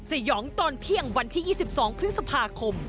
สยองตอนเที่ยงวันที่๒๒พฤษภาคม